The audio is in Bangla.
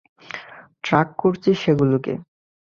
ট্র্যাক করছি সেগুলোকে।